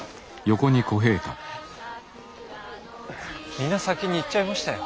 皆先に行っちゃいましたよ。